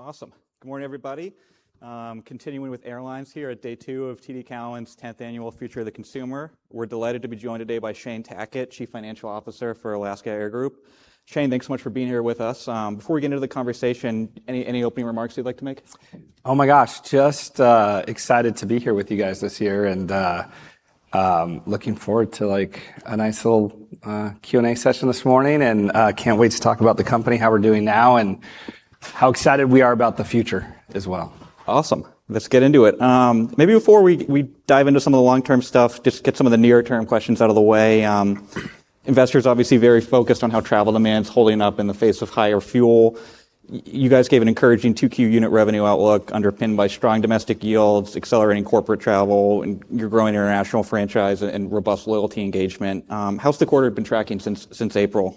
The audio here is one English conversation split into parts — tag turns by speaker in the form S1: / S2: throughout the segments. S1: All right. Awesome. Good morning, everybody. Continuing with airlines here at day two of TD Cowen's 10th Annual Future of the Consumer. We're delighted to be joined today by Shane Tackett, Chief Financial Officer for Alaska Air Group. Shane, thanks so much for being here with us. Before we get into the conversation, any opening remarks you'd like to make?
S2: Oh, my gosh, just excited to be here with you guys this year and looking forward to a nice little Q&A session this morning, and can't wait to talk about the company, how we're doing now, and how excited we are about the future as well.
S1: Awesome. Let's get into it. Maybe before we dive into some of the long-term stuff, just get some of the near-term questions out of the way. Investors are obviously very focused on how travel demand is holding up in the face of higher fuel. You guys gave an encouraging 2Q unit revenue outlook underpinned by strong domestic yields, accelerating corporate travel, and your growing international franchise and robust loyalty engagement. How's the quarter been tracking since April?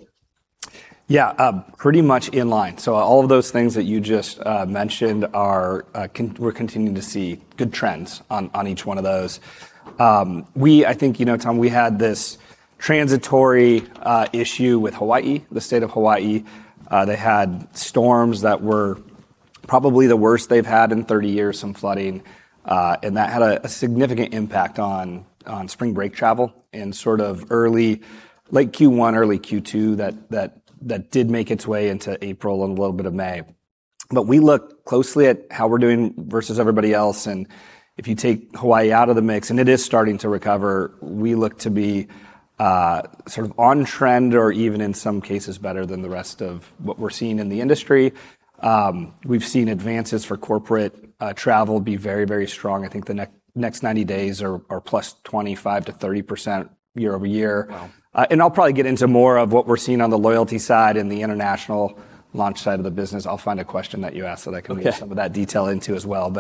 S2: Yeah. Pretty much in line. All of those things that you just mentioned, we're continuing to see good trends on each one of those. Tom, we had this transitory issue with Hawaii, the state of Hawaii. They had storms that were probably the worst they've had in 30 years, some flooding, and that had a significant impact on spring break travel in sort of late Q1, early Q2, that did make its way into April and a little bit of May. We looked closely at how we're doing versus everybody else, and if you take Hawaii out of the mix, and it is starting to recover, we look to be sort of on trend, or even in some cases better than the rest of what we're seeing in the industry. We've seen advances for corporate travel be very, very strong. I think the next 90 days are +25%-30% year-over-year.
S1: Wow.
S2: I'll probably get into more of what we're seeing on the loyalty side and the international launch side of the business. I'll find a question that you ask so that.
S1: Okay.
S2: I can read some of that detail into as well.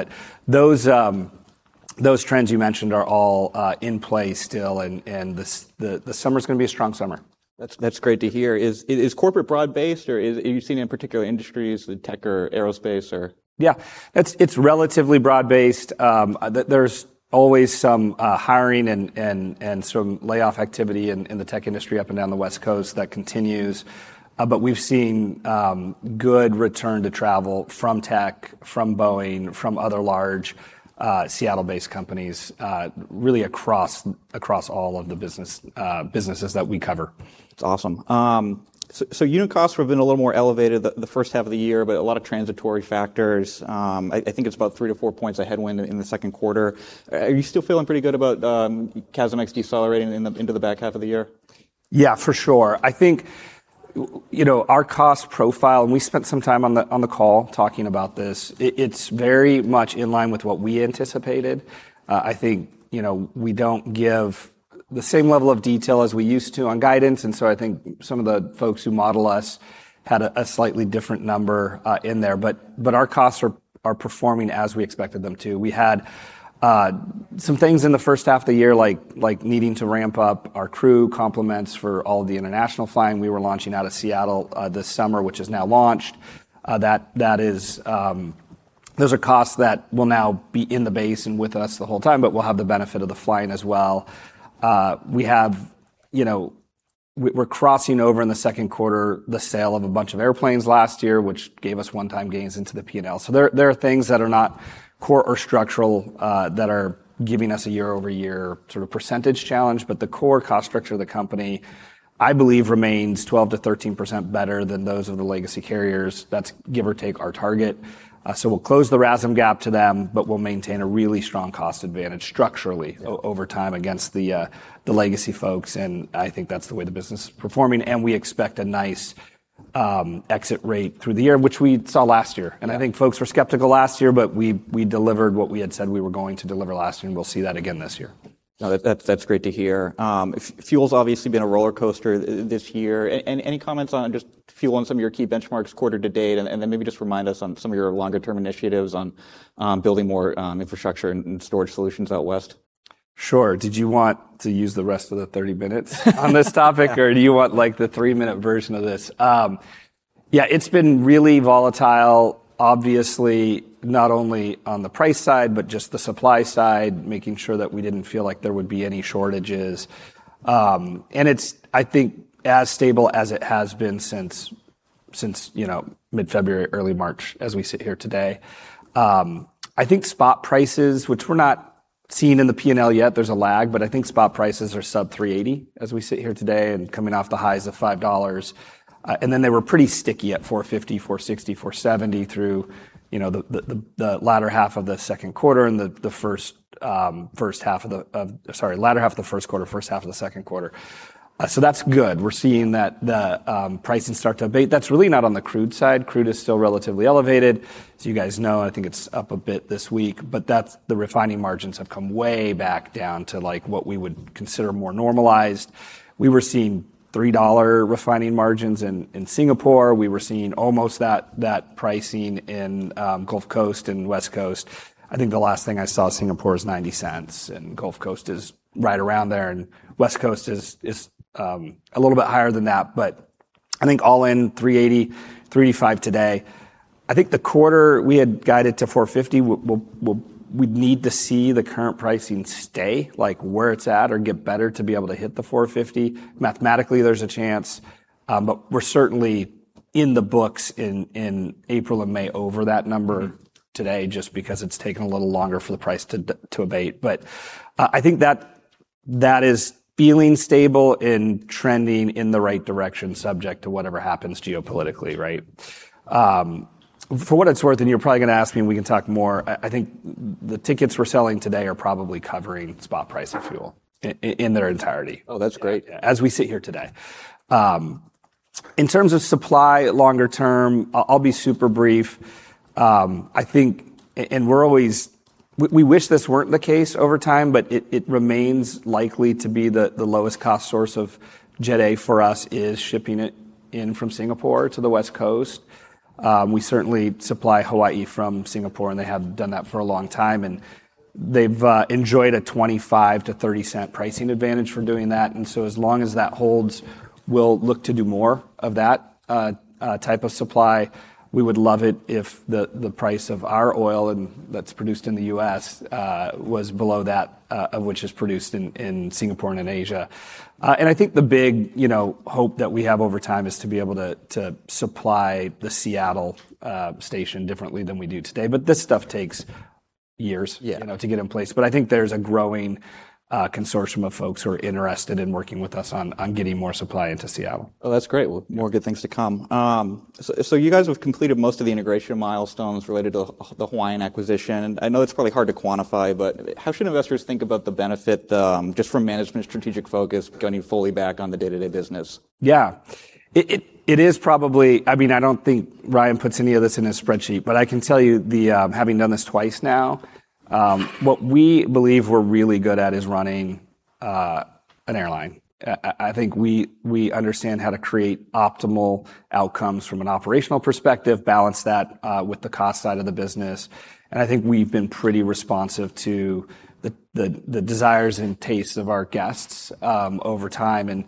S2: Those trends you mentioned are all in play still, and the summer's going to be a strong summer.
S1: That's great to hear. Is corporate broad-based, or have you seen it in particular industries, the tech or aerospace, or?
S2: Yeah. It's relatively broad-based. There's always some hiring and some layoff activity in the tech industry up and down the West Coast that continues. We've seen good returns to travel from tech, from Boeing, from other large Seattle-based companies, really across all of the businesses that we cover.
S1: That's awesome. Unit costs have been a little more elevated in the first half of the year, but a lot of transitory factors. I think it's about three to four points of headwind in the second quarter. Are you still feeling pretty good about CASM ex-fuel decelerating into the back half of the year?
S2: Yeah, for sure. I think our cost profile, and we spent some time on the call talking about this, it's very much in line with what we anticipated. I think we don't give the same level of detail as we used to on guidance, and so I think some of the folks who model us had a slightly different number in there. Our costs are performing as we expected them to. We had some things in the first half of the year, like needing to ramp up our crew complements for all of the international flying we were launching out of Seattle this summer, which has now launched. Those are costs that will now be in the base and with us the whole time, but we'll have the benefit of flying as well. We're crossing over in the second quarter the sale of a bunch of airplanes last year, which gave us one-time gains into the P&L. There are things that are not core or structural that are giving us a year-over-year sort of percentage challenge, but the core cost structure of the company, I believe, remains 12%-13% better than those of the legacy carriers. That's give or take our target. We'll close the RASM gap to them, but we'll maintain a really strong cost advantage structurally.
S1: Yeah.
S2: Over time, against the legacy folks, and I think that's the way the business is performing, and we expect a nice exit rate through the year, which we saw last year.
S1: Yeah.
S2: I think folks were skeptical last year, but we delivered what we had said we were going to deliver last year, and we'll see that again this year.
S1: No, that's great to hear. Fuel's obviously been a rollercoaster this year. Any comments on just fuel and some of your key benchmarks quarter to date, and then maybe just remind us on some of your longer-term initiatives on building more infrastructure and storage solutions out west.
S2: Sure. Did you want to use the rest of the 30 minutes on this topic, or do you want the three-minute version of this? It's been really volatile, obviously, not only on the price side, but just the supply side, making sure that we didn't feel like there would be any shortages. It's, I think, as stable as it has been since mid-February, early March, as we sit here today. I think spot prices, which we're not seeing in the P&L yet, there's a lag, but I think spot prices are sub $3.80 as we sit here today, and coming off the highs of $5. They were pretty sticky at $4.50, $4.60, $4.70 through the latter half of the first quarter, first half of the second quarter. That's good. We're seeing the pricing start to abate. That's really not on the crude side. Crude is still relatively elevated. As you guys know, I think it's up a bit this week, but the refining margins have come way back down to what we would consider more normalized. We were seeing $3 refining margins in Singapore. We were seeing almost that pricing in Gulf Coast and West Coast. I think the last thing I saw, Singapore is $0.90, and Gulf Coast is right around there, and West Coast is a little bit higher than that, but I think all in, $3.80, $3.85 today. I think the quarter, we had guided to $4.50. We'd need to see the current pricing stay where it's at or get better to be able to hit the $4.50. Mathematically, there's a chance, but we're certainly in the books in April and May over that number today, just because it's taken a little longer for the price to abate. I think that is feeling stable and trending in the right direction, subject to whatever happens geopolitically, right? For what it's worth, and you're probably going to ask me, and we can talk more, I think the tickets we're selling today are probably covering the spot price of fuel in their entirety.
S1: Oh, that's great.
S2: As we sit here today. In terms of supply, longer term, I'll be super brief. We wish this weren't the case over time, but it remains likely to be the lowest-cost source of Jet A for us is shipping it in from Singapore to the West Coast. We certainly supply Hawaii from Singapore, and have done that for a long time, and they've enjoyed a $0.25-$0.30 pricing advantage for doing that. As long as that holds, we'll look to do more of that type of supply. We would love it if the price of our oil, and that's produced in the U.S., was below that of which is produced in Singapore and in Asia. I think the big hope that we have over time is to be able to supply the Seattle station differently than we do today. This stuff takes years.
S1: Yeah
S2: to get in place. I think there's a growing consortium of folks who are interested in working with us on getting more supply into Seattle.
S1: Oh, that's great. More good things to come. You guys have completed most of the integration milestones related to the Hawaiian acquisition. I know it's probably hard to quantify, but how should investors think about the benefit, just from management's strategic focus, going fully back on the day-to-day business?
S2: Yeah. I don't think Ryan puts any of this in his spreadsheet, but I can tell you, having done this twice now, what we believe we're really good at is running an airline. I think we understand how to create optimal outcomes from an operational perspective, balance that with the cost side of the business, and I think we've been pretty responsive to the desires and tastes of our guests over time.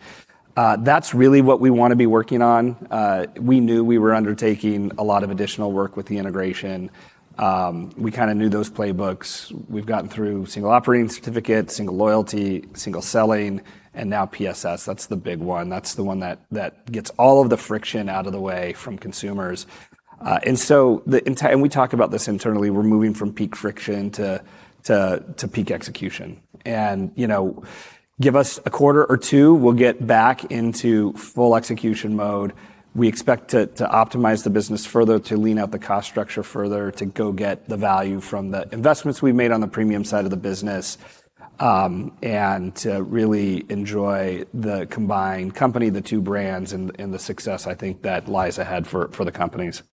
S2: That's really what we want to be working on. We knew we were undertaking a lot of additional work with the integration. We knew those playbooks. We've gotten through single operating certificate, single loyalty, single selling, and now PSS. That's the big one. That's the one that gets all of the friction out of the way from consumers. We talk about this internally. We're moving from peak friction to peak execution. Give us a quarter or two, we'll get back into full execution mode. We expect to optimize the business further, to lean out the cost structure further, to go get the value from the investments we've made on the premium side of the business, and to really enjoy the combined company, the two brands, and the success, I think, that lies ahead for the companies.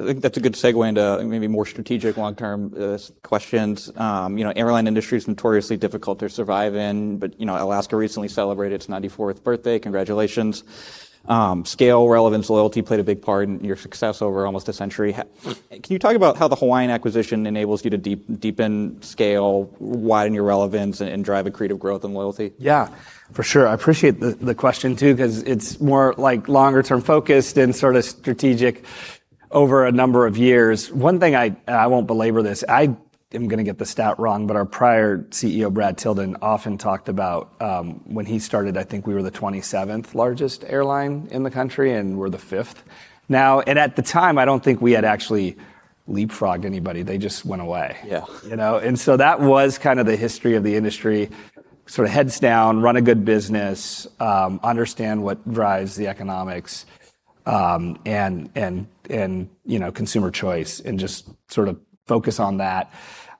S1: I think that's a good segue into maybe more strategic long-term questions. The airline industry is notoriously difficult to survive in. Alaska recently celebrated its 94th birthday. Congratulations. Scale, relevance, loyalty played a big part in your success over almost a century. Can you talk about how the Hawaiian acquisition enables you to deepen scale, widen your relevance, and drive accretive growth and loyalty?
S2: For sure. I appreciate the question, too, because it's more longer-term focused and strategic over a number of years. One thing, I won't belabor this, I am going to get the stat wrong, our prior CEO, Brad Tilden, often talked about, when he started, I think we were the 27th largest airline in the country, and we're the fifth now. At the time, I don't think we had actually leapfrogged anybody. They just went away.
S1: Yeah.
S2: That was the history of the industry. Heads down, run a good business, understand what drives the economics and consumer choice, and just focus on that.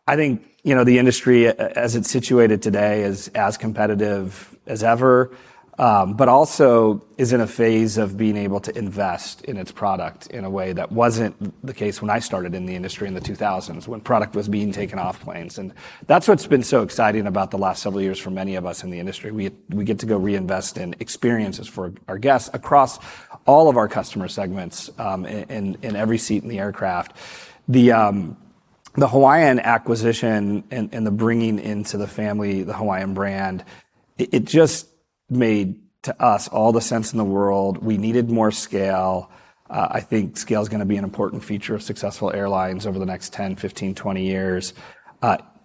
S2: I think the industry, as it's situated today, is as competitive as ever. Also is in a phase of being able to invest in its product in a way that wasn't the case when I started in the industry in the 2000s, when product was being taken off planes. That's what's been so exciting about the last several years for many of us in the industry. We get to go reinvest in experiences for our guests across all of our customer segments, in every seat in the aircraft. The Hawaiian acquisition and the bringing into the family the Hawaiian brand, it just made, to us, all the sense in the world. We needed more scale. I think scale's going to be an important feature of successful airlines over the next 10, 15, 20 years.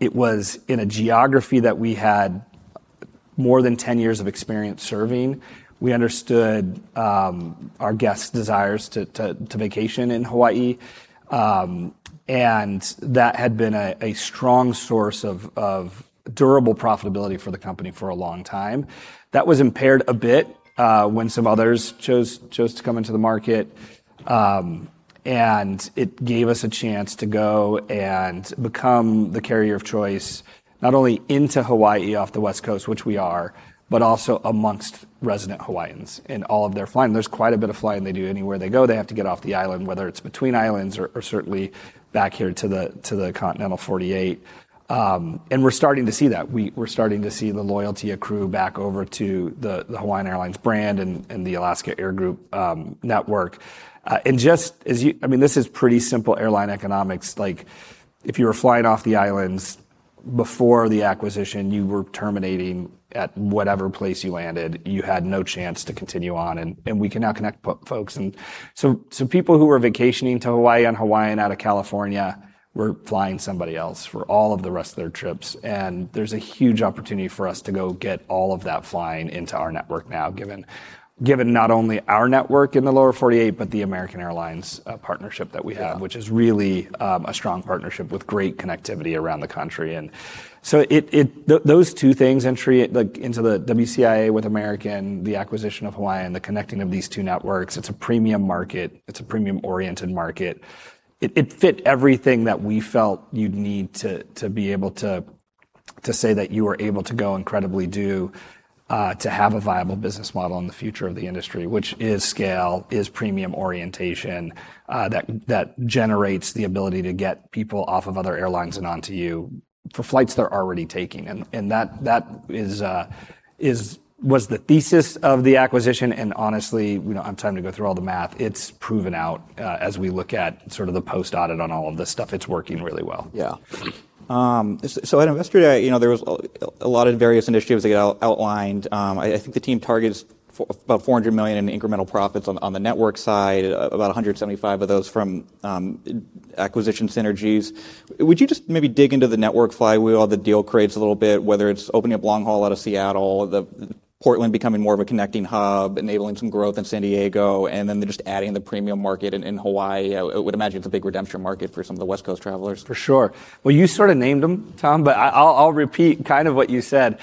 S2: It was in a geography that we had more than 10 years of experience serving. We understood our guests' desires to vacation in Hawaii, and that had been a strong source of durable profitability for the company for a long time. That was impaired a bit when some others chose to come into the market. It gave us a chance to go and become the carrier of choice, not only into Hawaii off the West Coast, which we are, but also amongst resident Hawaiians in all of their flying. There's quite a bit of flying they do. Anywhere they go, they have to get off the island, whether it's between islands or certainly back here to the continental 48. We're starting to see that. We're starting to see the loyalty accrue back over to the Hawaiian Airlines brand and the Alaska Air Group network. This is pretty simple airline economics. If you were flying off the islands before the acquisition, you were terminating at whatever place you landed. You had no chance to continue on. We can now connect folks. People who were vacationing to Hawaii on Hawaiian out of California. We're flying somebody else for all of the rest of their trips, and there's a huge opportunity for us to go get all of that flying into our network now, given not only our network in the lower 48, but the American Airlines partnership that we have-
S1: Yeah.
S2: Which is really a strong partnership with great connectivity around the country. Those two things, entry into the WCIA with American, the acquisition of Hawaiian, the connecting of these two networks. It's a premium market. It's a premium-oriented market. It fit everything that we felt you'd need to be able to say that you were able to go and credibly do to have a viable business model in the future of the industry, which is scale, is premium orientation, that generates the ability to get people off of other airlines and onto you for flights they're already taking. That was the thesis of the acquisition, and honestly, we don't have time to go through all the math; it's proven out as we look at sort of the post-audit on all of this stuff. It's working really well.
S1: Yeah. At Investor Day, there was a lot of various initiatives that got outlined. I think the team targets about $400 million in incremental profits on the network side, about $175 million of those from acquisition synergies. Would you just maybe dig into the network flywheel the deal creates a little bit, whether it's opening up long haul out of Seattle, Portland becoming more of a connecting hub, enabling some growth in San Diego, and then just adding the premium market in Hawaii? I would imagine it's a big redemption market for some of the West Coast travelers.
S2: For sure. Well, you sort of named them, Tom, but I'll repeat kind of what you said.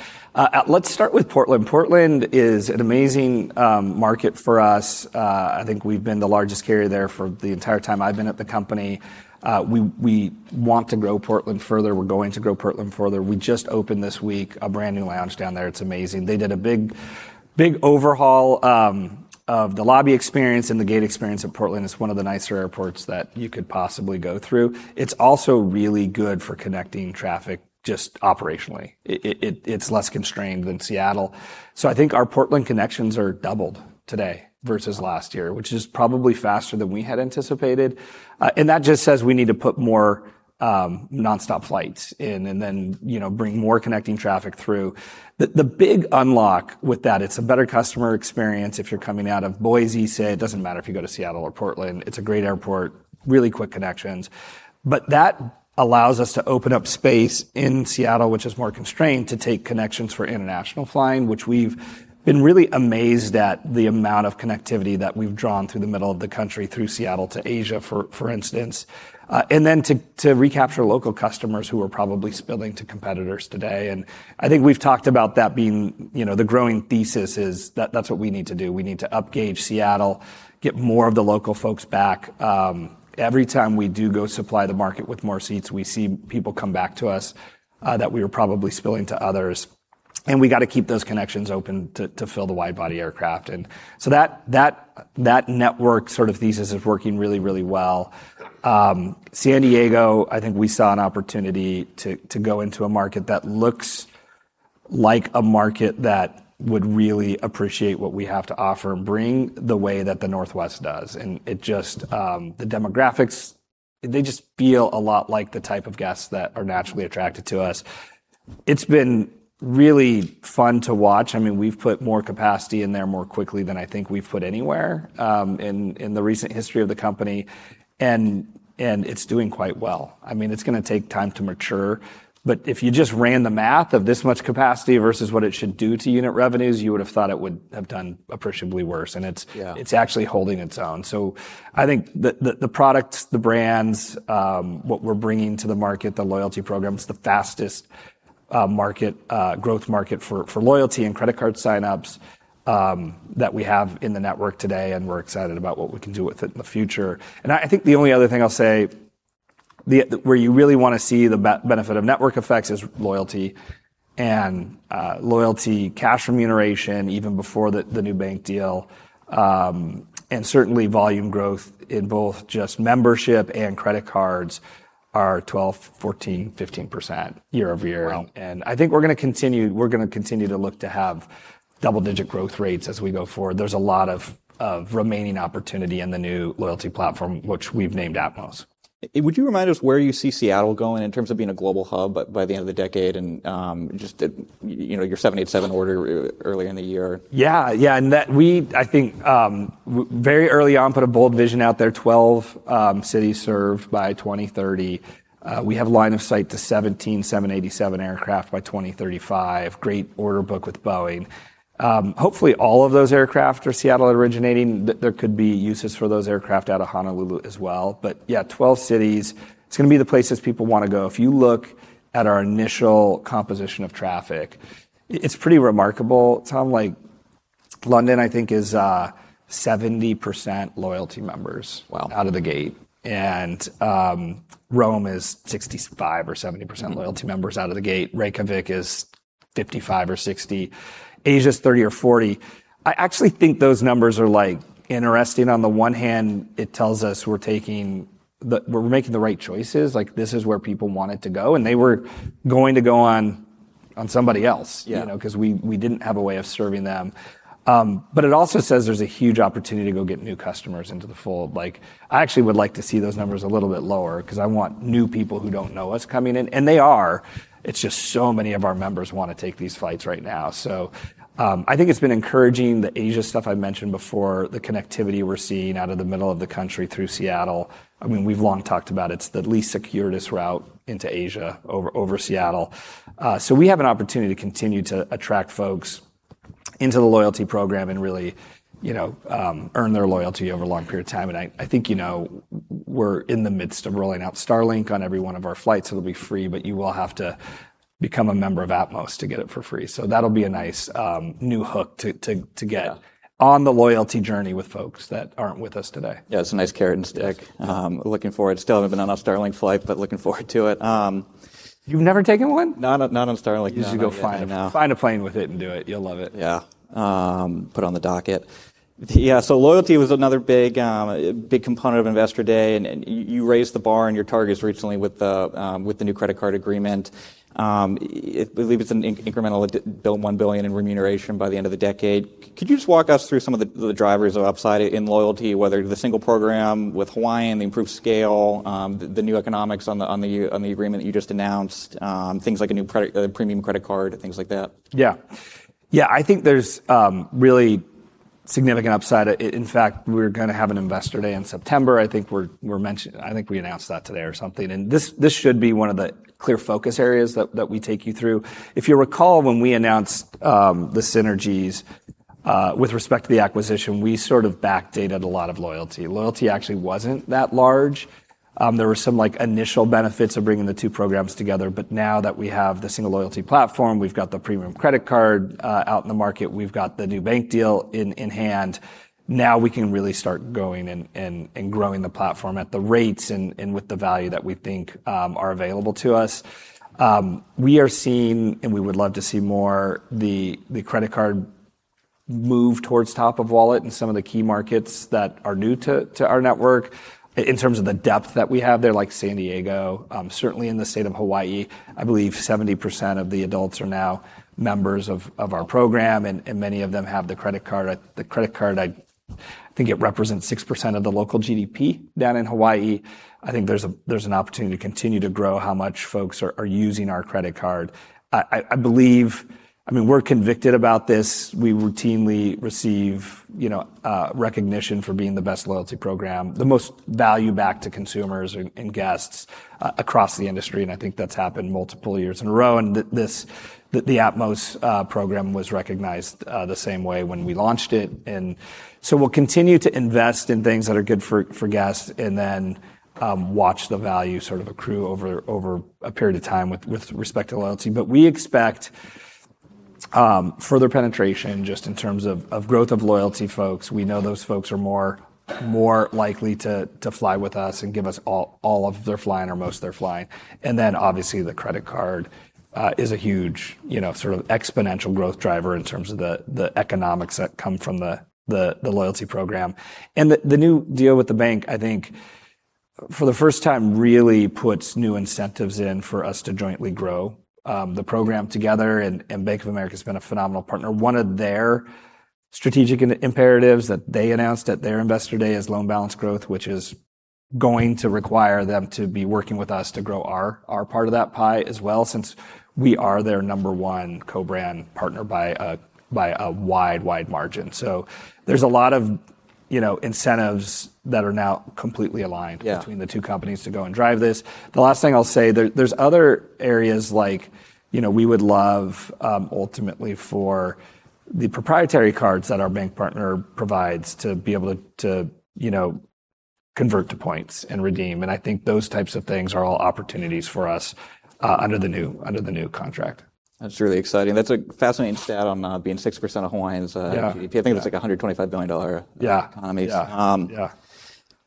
S2: Let's start with Portland. Portland is an amazing market for us. I think we've been the largest carrier there for the entire time I've been at the company. We want to grow Portland further. We're going to grow Portland further. We just opened this week a brand new lounge down there. It's amazing. They did a big overhaul of the lobby experience and the gate experience at Portland. It's one of the nicer airports that you could possibly go through. It's also really good for connecting traffic just operationally. It's less constrained than Seattle. I think our Portland connections are doubled today versus last year, which is probably faster than we had anticipated. That just says we need to put more nonstop flights in and then bring more connecting traffic through. The big unlock with that, it's a better customer experience if you're coming out of Boise, say. It doesn't matter if you go to Seattle or Portland. It's a great airport, really quick connections. That allows us to open up space in Seattle, which is more constrained to take connections for international flying, which we've been really amazed at the amount of connectivity that we've drawn through the middle of the country through Seattle to Asia, for instance. To recapture local customers who are probably spilling to competitors today. I think we've talked about that being the growing thesis is that that's what we need to do. We need to up gauge Seattle, get more of the local folks back. Every time we do go supply the market with more seats, we see people come back to us that we were probably spilling to others, and we got to keep those connections open to fill the wide-body aircraft. That network sort of thesis is working really, really well. San Diego, I think we saw an opportunity to go into a market that looks like a market that would really appreciate what we have to offer and bring the way that the Northwest does. The demographics, they just feel a lot like the type of guests that are naturally attracted to us. It's been really fun to watch. We've put more capacity in there more quickly than I think we've put anywhere in the recent history of the company, and it's doing quite well. It's going to take time to mature, but if you just ran the math of this much capacity versus what it should do to unit revenues, you would have thought it would have done appreciably worse.
S1: Yeah.
S2: It's actually holding its own. I think the products, the brands, what we're bringing to the market, the loyalty programs, the fastest growth market for loyalty and credit card signups that we have in the network today, and we're excited about what we can do with it in the future. I think the only other thing I'll say, where you really want to see the benefit of network effects, is loyalty and loyalty cash remuneration, even before the new bank deal. Certainly, volume growth in both just membership and credit cards are 12%, 14%, 15% year-over-year.
S1: Wow.
S2: I think we're going to continue to look to have double-digit growth rates as we go forward. There's a lot of remaining opportunity in the new loyalty platform, which we've named Atmos.
S1: Would you remind us where you see Seattle going in terms of being a global hub by the end of the decade, and just your 787 order early in the year?
S2: Yeah. I think very early on, put a bold vision out there, 12 cities served by 2030. We have a line of sight to 17 787 aircraft by 2035. Great order book with Boeing. Hopefully, all of those aircraft are Seattle originating. There could be uses for those aircraft out of Honolulu as well. Yeah, 12 cities. It's going to be the places people want to go. If you look at our initial composition of traffic, it's pretty remarkable, Tom. London, I think, is 70% loyalty members.
S1: Wow.
S2: Out of the gate, Rome is 65% or 70% loyalty members out of the gate. Reykjavik is 55% or 60%. Asia is 30% or 40%. I actually think those numbers are interesting. On the one hand, it tells us we're making the right choices, like this is where people wanted to go, and they were going to go on somebody else.
S1: Yeah.
S2: We didn't have a way of serving them. It also says there's a huge opportunity to go get new customers into the fold. I actually would like to see those numbers a little bit lower because I want new people who don't know us coming in. They are. It's just so many of our members want to take these flights right now. I think it's been encouraging. The Asia stuff I mentioned before, the connectivity we're seeing out of the middle of the country through Seattle. We've long talked about it. It's the least circuitous route into Asia, over Seattle. We have an opportunity to continue to attract folks into the loyalty program and really earn their loyalty over a long period of time. I think we're in the midst of rolling out Starlink on every one of our flights. It'll be free, but you will have to become a member of Atmos to get it for free. That'll be a nice new hook to get.
S1: Yeah.
S2: On the loyalty journey with folks that aren't with us today.
S1: It's a nice carrot and stick. Looking forward. Still haven't been on a Starlink flight, but looking forward to it.
S2: You've never taken one?
S1: Not on Starlink, no, not yet, no.
S2: You should go find one. Find a plane with it and do it. You'll love it.
S1: Yeah. Put on the docket. Yeah, loyalty was another big component of Investor Day, and you raised the bar and your targets recently with the new credit card agreement. I believe it's an incremental $1 billion in remuneration by the end of the decade. Could you just walk us through some of the drivers of upside in loyalty, whether the single program with Hawaiian, the improved scale, the new economics on the agreement that you just announced, things like a new premium credit card, and things like that?
S2: Yeah, I think there's really significant upside. In fact, we're going to have an Investor Day in September. I think we announced that today or something. This should be one of the clear focus areas that we take you through. If you recall, when we announced the synergies with respect to the acquisition, we sort of backdated a lot of loyalty. Loyalty actually wasn't that large. There were some initial benefits of bringing the two programs together, but now that we have the single loyalty platform, we've got the premium credit card out in the market, we've got the new bank deal in hand. Now we can really start going and growing the platform at the rates and with the value that we think are available to us. We are seeing, and we would love to see more, the credit card move towards the top of the wallet in some of the key markets that are new to our network. In terms of the depth that we have there, like San Diego, certainly in the state of Hawaii, I believe 70% of the adults are now members of our program, and many of them have the credit card. The credit card, I think it represents 6% of the local GDP down in Hawaii. I think there's an opportunity to continue to grow how much folks are using our credit card. I believe we're convicted about this. We routinely receive recognition for being the best loyalty program, the most value back to consumers and guests across the industry. I think that's happened multiple years in a row. The Atmos Rewards was recognized the same way when we launched it. We'll continue to invest in things that are good for guests, then watch the value sort of accrue over a period of time with respect to loyalty. We expect further penetration, just in terms of growth of loyalty folks. We know those folks are more likely to fly with us and give us all of their flying or most of their flying. Obviously, the credit card is a huge sort of exponential growth driver in terms of the economics that come from the loyalty program. The new deal with the bank, I think, for the first time, really puts new incentives in for us to jointly grow the program together. Bank of America's been a phenomenal partner. One of their strategic imperatives that they announced at their Investor Day is loan balance growth, which is going to require them to be working with us to grow our part of that pie as well, since we are their number one co-brand partner by a wide margin. There's a lot of incentives that are now completely aligned.
S1: Yeah.
S2: Between the two companies to go and drive this? The last thing I'll say is that there's other areas we would love, ultimately, for the proprietary cards that our bank partner provides to be able to convert to points and redeem, and I think those types of things are all opportunities for us under the new contract.
S1: That's really exciting. That's a fascinating stat on being 6% of Hawaii's GDP.
S2: Yeah.
S1: I think it was like a $125 billion economy.
S2: Yeah.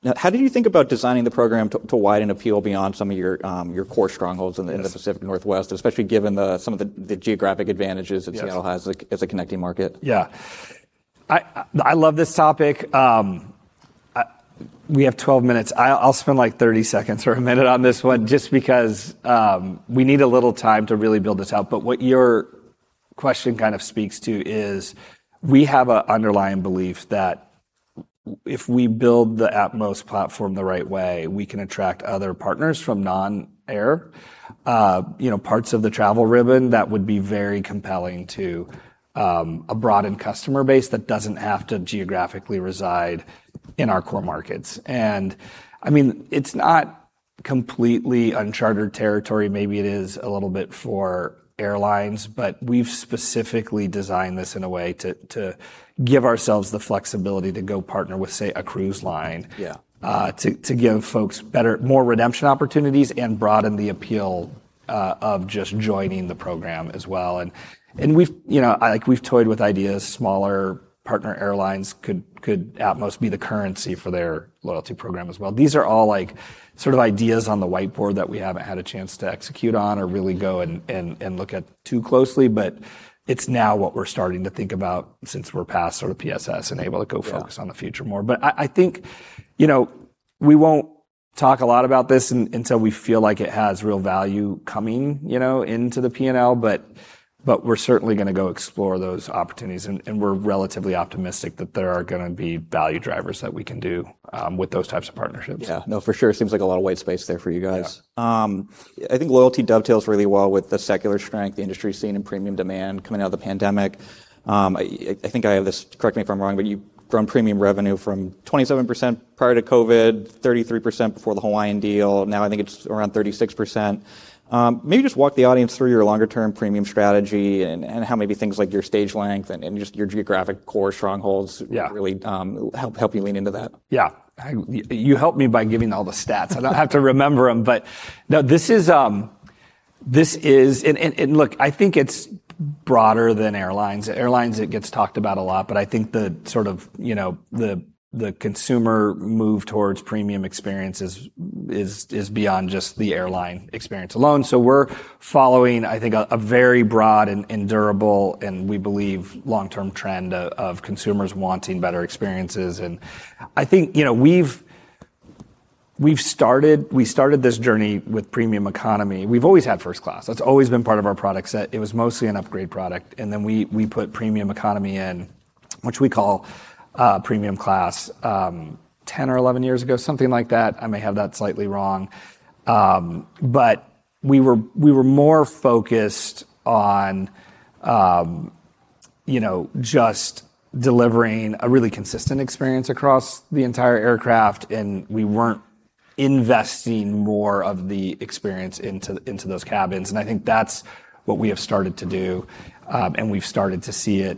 S1: Now, how do you think about designing the program to widen appeal beyond some of your core strongholds in?
S2: Yes.
S1: The Pacific Northwest, especially given some of the geographic advantages.
S2: Yes.
S1: Does Seattle has as a connecting market?
S2: Yeah. I love this topic. We have 12 minutes. I'll spend 30 seconds or a minute on this one, just because we need a little time to really build this out. What your question kind of speaks to is we have an underlying belief that if we build the Atmos platform the right way, we can attract other partners from non-air parts of the travel ribbon that would be very compelling to a broadened customer base that doesn't have to geographically reside in our core markets. It's not completely uncharted territory. Maybe it is a little bit for airlines, but we've specifically designed this in a way to give ourselves the flexibility to go partner with, say, a cruise line-
S1: Yeah.
S2: To give folks more redemption opportunities and broaden the appeal of just joining the program as well. We've toyed with ideas; smaller partner airlines, could Atmos be the currency for their loyalty program as well? These are all sorts of ideas on the whiteboard that we haven't had a chance to execute on or really go and look at too closely, but it's now what we're starting to think about since we're past sort of PSS.
S1: Yeah.
S2: In the future, more. I think we won't talk a lot about this until we feel like it has real value coming into the P&L. We're certainly going to go explore those opportunities, and we're relatively optimistic that there are going to be value drivers that we can do with those types of partnerships.
S1: Yeah, no, for sure. Seems like a lot of white space there for you guys.
S2: Yeah.
S1: I think loyalty dovetails really well with the secular strength the industry's seen in premium demand coming out of the pandemic. I think I have this, correct me if I'm wrong, but you've grown premium revenue from 27% prior to COVID, 33% before the Hawaiian deal. Now I think it's around 36%. Maybe just walk the audience through your longer-term premium strategy and how maybe things like your stage length and just your geographic core strongholds?
S2: Yeah.
S1: Really help you lean into that.
S2: Yeah. You helped me by giving all the stats. I don't have to remember them, but no, this is, and look, I think it's broader than airlines. Airlines, it gets talked about a lot, but I think the consumer move towards a premium experience is beyond just the airline experience alone. We're following, I think, a very broad and durable, and we believe long-term trend of consumers wanting better experiences. I think we started this journey with Premium Economy. We've always had First Class. That's always been part of our product set. It was mostly an upgrade product. Then we put Premium Economy in, which we call Premium Class, 10 or 11 years ago, something like that. I may have that slightly wrong. We were more focused on just delivering a really consistent experience across the entire aircraft, and we weren't investing more of the experience into those cabins. I think that's what we have started to do. We've started to see it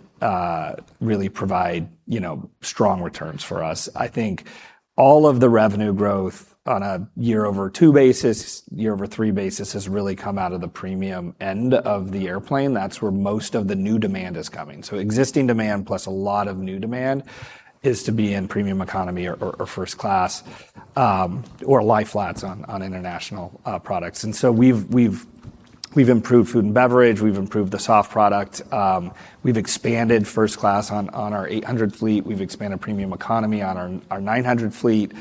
S2: really provide strong returns for us. I think all of the revenue growth on a year-over-two basis, year-over-three basis, has really come out of the premium end of the airplane. That's where most of the new demand is coming. Existing demand plus a lot of new demand is to be in Premium Economy or First Class, or Lie-Flat on international products. We've improved food and beverage, we've improved the soft product. We've expanded First Class on our 800 fleet. We've expanded Premium Economy on our 900 fleet.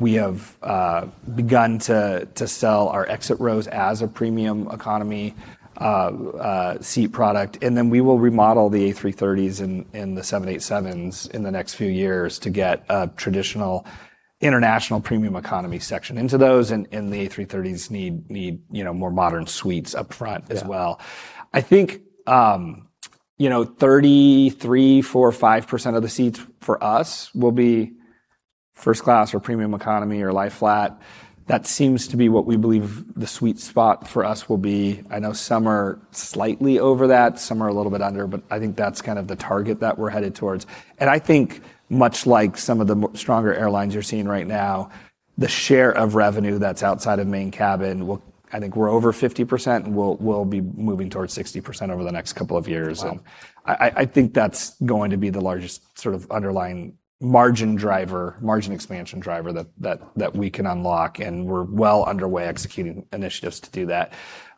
S2: We have begun to sell our exit rows as a Premium Economy seat product, and then we will remodel the A330s and the 787s in the next few years to get a traditional international Premium Economy section into those. The A330s need more modern suites upfront as well.
S1: Yeah.
S2: I think 3%, 4%, 5% of the seats for us will be First Class, Premium Economy, or Lie-Flat. That seems to be what we believe the sweet spot for us will be. I know some are slightly over that, some are a little bit under, but I think that's kind of the target that we're headed towards. I think much like some of the stronger airlines you're seeing right now, the share of revenue that's outside of main cabin, I think we're over 50%, and we'll be moving towards 60% over the next couple of years.
S1: Wow.
S2: I think that's going to be the largest sort of underlying margin driver, margin expansion driver that we can unlock, and we're well underway executing initiatives to do that.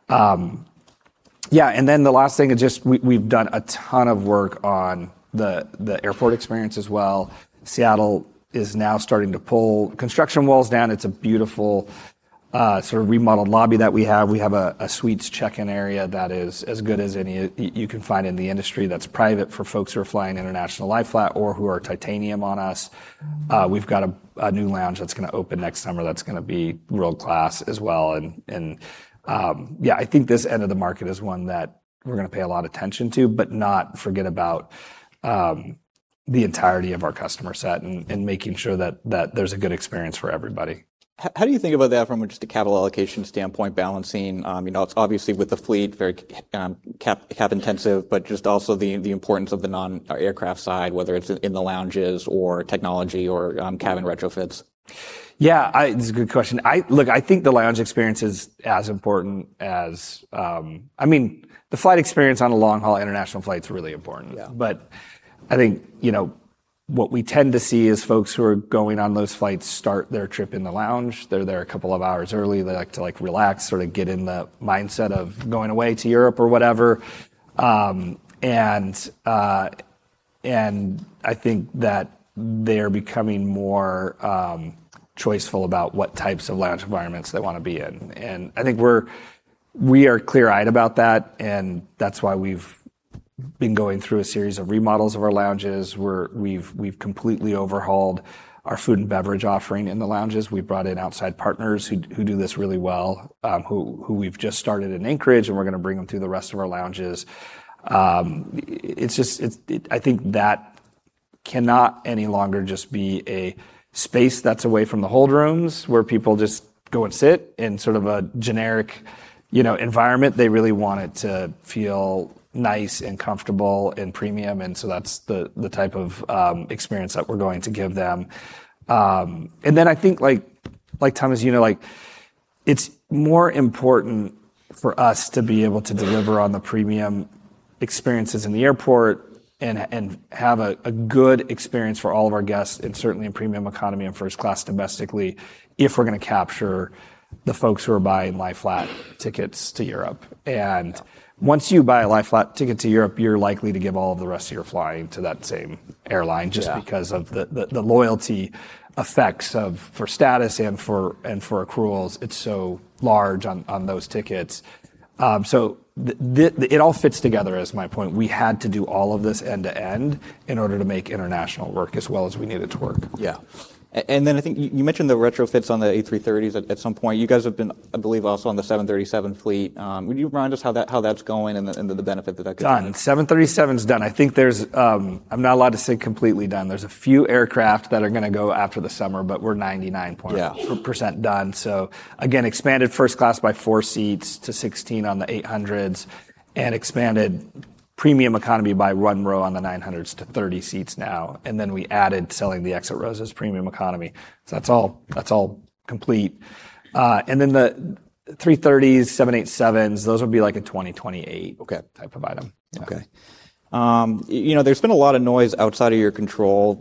S2: The last thing is just we've done a ton of work on the airport experience as well. Seattle is now starting to pull construction walls down. It's a beautiful sort of remodeled lobby that we have. We have a suites check-in area that is as good as any you can find in the industry, that's private for folks who are flying international Lie-Flat or who are titanium on us. We've got a new lounge that's going to open next summer, that's going to be world-class as well. Yeah, I think this end of the market is one that we're going to pay a lot of attention to, but not forget about the entirety of our customer set and making sure that there's a good experience for everybody.
S1: How do you think about that from just a capital allocation standpoint, balancing, it's obviously with the fleet, very cap intensive, but just also the importance of the non-aircraft side, whether it's in the lounges or technology or cabin retrofits?
S2: Yeah. It's a good question. Look, the flight experience on a long-haul international flight is really important.
S1: Yeah.
S2: I think what we tend to see is folks who are going on those flights start their trip in the lounge. They're there a couple of hours early. They like to relax, sort of get in the mindset of going away to Europe or whatever. I think that they're becoming more choiceful about what types of lounge environments they want to be in. I think we are clear-eyed about that, and that's why we've been going through a series of remodels of our lounges, where we've completely overhauled our food and beverage offering in the lounges. We've brought in outside partners who do this really well, who we've just started in Anchorage, and we're going to bring them through the rest of our lounges. I think that cannot any longer just be a space that's away from the hold rooms, where people just go and sit in a sort of generic environment. They really want it to feel nice and comfortable and premium. That's the type of experience that we're going to give them. I think, Tom, as you know, it's more important for us to be able to deliver on the premium experiences in the airport and have a good experience for all of our guests, and certainly in Premium Economy and First Class domestically, if we're going to capture the folks who are buying Lie-Flat tickets to Europe. Once you buy a Lie-Flat ticket to Europe, you're likely to give all of the rest of your flying to that same airline.
S1: Yeah.
S2: Just because of the loyalty effects for status and for accruals, it's so large on those tickets. It all fits together is my point. We had to do all of this end-to-end in order to make international work as well as we need it to work.
S1: Yeah. I think you mentioned the retrofits on the A330s at some point. You guys have been, I believe, also on the 737 fleet. Would you remind us how that's going and the benefit?
S2: Done. 737's done. I'm not allowed to say completely done. There's a few aircraft that are going to go after the summer, but we're 99%.
S1: Yeah.
S2: Percent done. Again, expanded First Class by four seats to 16 on the 800s and one row Premium Economy by one row on the 900s to 30 seats now, and then we added selling the exit rows as Premium Economy. That's all complete. Then the 330s, 787s, those would be like in 2028.
S1: Okay.
S2: Type of item. Yeah.
S1: Okay. There's been a lot of noise outside of your control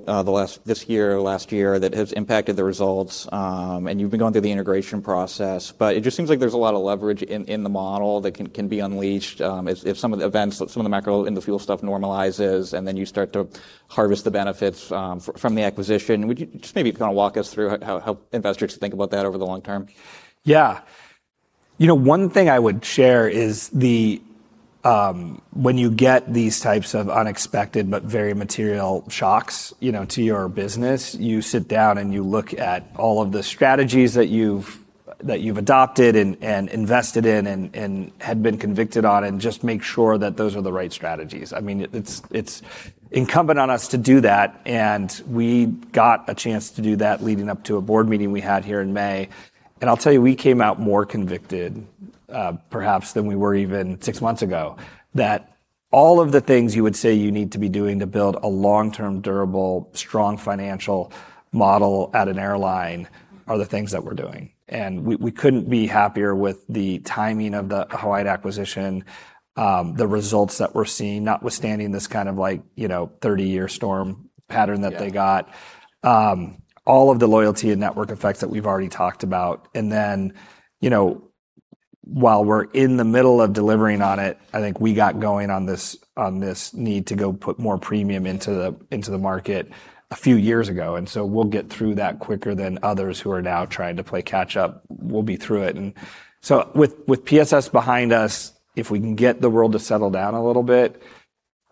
S1: this year or last year that has impacted the results. You've been going through the integration process, but it just seems like there's a lot of leverage in the model that can be unleashed if some of the events, some of the macro, and the fuel stuff normalizes, and then you start to harvest the benefits from the acquisition. Would you just maybe walk us through how investors should think about that over the long term?
S2: Yeah. One thing I would share is when you get these types of unexpected but very material shocks to your business, you sit down, and you look at all of the strategies that you've adopted and invested in and had been convicted on, and just make sure that those are the right strategies. It's incumbent on us to do that, and we got a chance to do that leading up to a board meeting we had here in May. I'll tell you, we came out more convicted, perhaps, than we were even six months ago, that all of the things you would say you need to be doing to build a long-term, durable, strong financial model at an airline are the things that we're doing. We couldn't be happier with the timing of the Hawaii acquisition, the results that we're seeing, notwithstanding this 30-year storm pattern that they got.
S1: Yeah.
S2: All of the loyalty and network effects that we've already talked about. While we're in the middle of delivering on it, I think we got going on this need to go put more premium into the market a few years ago. We'll get through that quicker than others who are now trying to play catch-up. We'll be through it. With PSS behind us, if we can get the world to settle down a little bit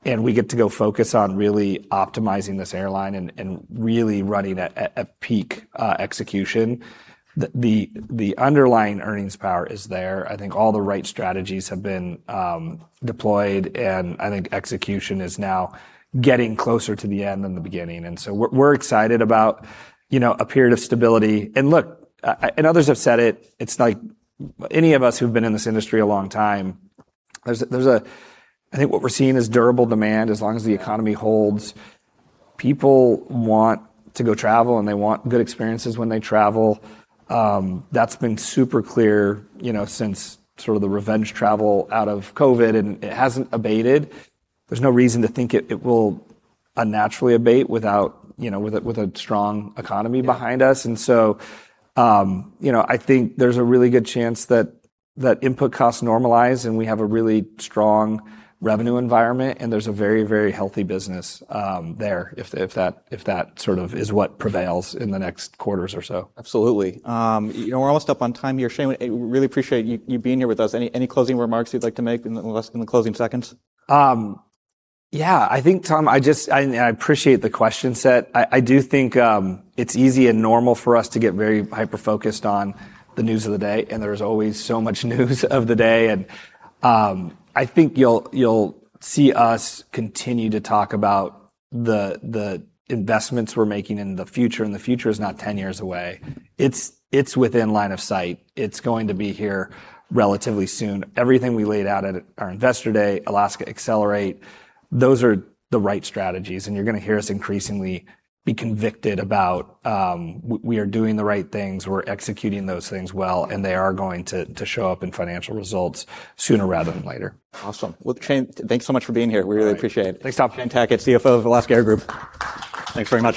S2: and we get to go focus on really optimizing this airline and really running at peak execution, the underlying earnings power is there. I think all the right strategies have been deployed, and I think execution is now getting closer to the end than the beginning. We're excited about a period of stability. Look, and others have said it's like any of us who've been in this industry a long time, I think what we're seeing is durable demand as long as the economy holds. People want to go travel, and they want good experiences when they travel. That's been super clear since the revenge travel out of COVID, and it hasn't abated. There's no reason to think it will unnaturally abate with a strong economy behind us.
S1: Yeah.
S2: I think there's a really good chance that input costs normalize and we have a really strong revenue environment, and there's a very healthy business there if that sort of is what prevails in the next quarters or so.
S1: Absolutely. We're almost up on time here. Shane, we really appreciate you being here with us. Any closing remarks you'd like to make in the closing seconds?
S2: Yeah, I think, Tom, I appreciate the question set. I do think it's easy and normal for us to get very hyper-focused on the news of the day, and there's always so much news of the day. I think you'll see us continue to talk about the investments we're making in the future, and the future is not 10 years away. It's within line of sight. It's going to be here relatively soon. Everything we laid out at our Investor Day, Alaska Accelerate, those are the right strategies. You're going to hear us increasingly be convicted about we are doing the right things, we're executing those things well, and they are going to show up in financial results sooner rather than later.
S1: Awesome. Well, Shane, thanks so much for being here. We really appreciate it.
S2: All right. Thanks, Tom.
S1: Shane Tackett, CFO of Alaska Air Group. Thanks very much.